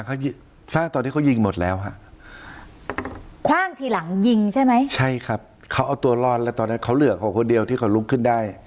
เขาสร้างตอนที่เขายิงหมดแล้วฮะคว่างทีหลังยิงใช่ไหมใช่ครับเขาเอาตัวรอดแล้วตอนนั้นเขาเหลือเขาคนเดียวที่เขาลุกขึ้นได้